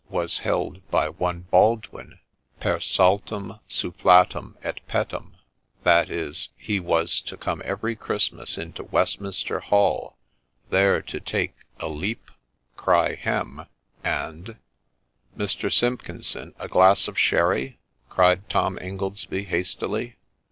was held by one Baldwin per saltum, sufflatum, et pettum ; that is, he was to come every Christmas into Westminster Hall, there to take a leap, cry hem ! and '' Mr. Simpkinson, a glass of sherry ?' cried Tom Ingoldsby, hastily.